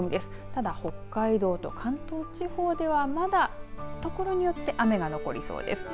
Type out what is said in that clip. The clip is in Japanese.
ただ、北海道と関東地方ではまだ所によって雨が残りそうです。